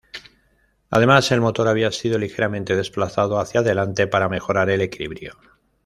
Además, el motor había sido ligeramente desplazado hacia adelante para mejorar el equilibrio.